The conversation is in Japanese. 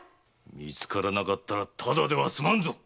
見つからなかったらただでは済まぬぞ！